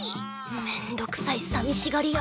めんどくさいさみしがり屋。